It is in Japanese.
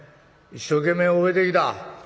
一生懸命覚えてきた？」。